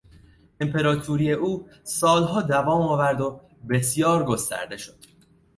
امپراتوری او سالها دوام آورد و بسیار گسترده شد.